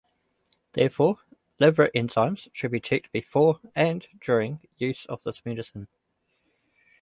Therefore, liver enzymes should be checked before and during use of this medicine.